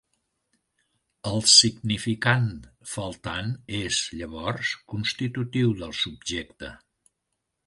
El significant faltant és, llavors, constitutiu del subjecte.